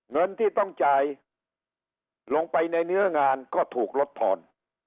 เงินที่ต้องจ่ายลงไปในเนื้องานก็ถูกลดทอน